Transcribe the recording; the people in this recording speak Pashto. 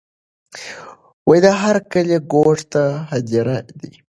د هر کلي ګوټ ته هدېرې دي.